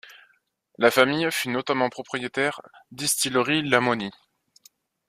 La famille fut notamment propriétaire Distillerie La Mauny.